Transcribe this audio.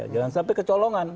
jangan sampai kecolongan